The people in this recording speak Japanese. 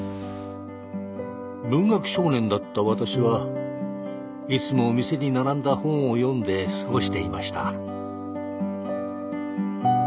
文学少年だった私はいつも店に並んだ本を読んで過ごしていました。